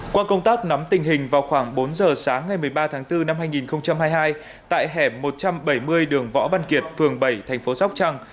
qua công tác nắm tình hình vào khoảng bốn giờ sáng ngày một mươi ba tháng bốn năm hai nghìn hai mươi hai tại hẻm một trăm bảy mươi đường võ văn kiệt phường bảy thành phố sóc trăng